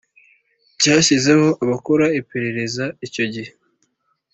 Cyashyizeho abakora iperereza icyo gihe